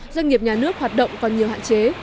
doanh nghiệp nhà nước hoạt động còn nhiều hạn chế